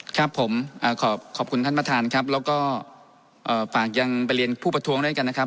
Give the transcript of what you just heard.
ครับผมขอขอบคุณท่านประธานครับแล้วก็ฝากยังไปเรียนผู้ประท้วงด้วยกันนะครับ